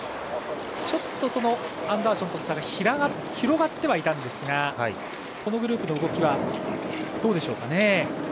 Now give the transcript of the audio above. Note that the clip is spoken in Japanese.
ちょっとアンダーションとの差が広がってはいたんですがこのグループの動きはどうでしょうかね。